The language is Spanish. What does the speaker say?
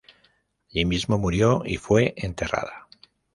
Allí mismo murió y fue enterrada.